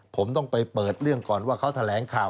ผมต้องไปเปิดเรื่องก่อนว่าเขาแถลงข่าว